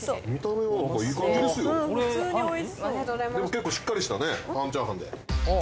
結構しっかりしたね半チャーハンで。